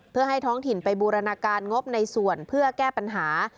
เพื่อให้ท้องถิ่นไปบูรณาการงบในส่วนเพื่อแก้ปัญหา